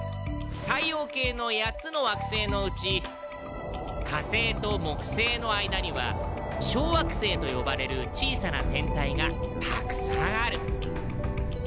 太陽系の８つの惑星のうち火星と木星の間には小惑星と呼ばれる小さな天体がたくさんある。